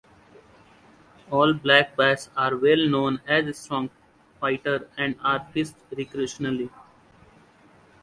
All black bass are well known as strong fighters and are fished recreationally.